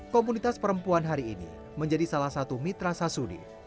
komunitas perempuan hari ini menjadi salah satu mitra sasudi